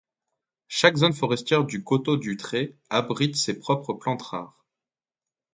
Chaque zone forestière du Coteau du Trait abrite ses propres plantes rares.